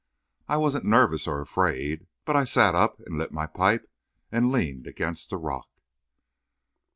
I wasn't nervous or afraid; but I sat up and lit my pipe and leaned against a rock.